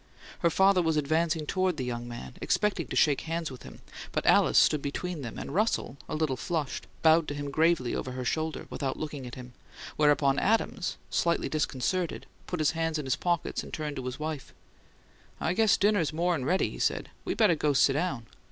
Her father was advancing toward the young man, expecting to shake hands with him, but Alice stood between them, and Russell, a little flushed, bowed to him gravely over her shoulder, without looking at him; whereupon Adams, slightly disconcerted, put his hands in his pockets and turned to his wife. "I guess dinner's more'n ready," he said. "We better go sit down."